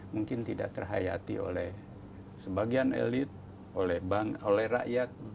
mungkin tidak terhayati oleh sebagian elit oleh rakyat